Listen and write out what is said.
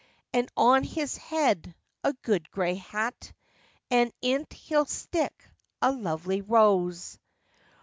Cho. And on his head a good grey hat, And in't he'll stick a lovely rose.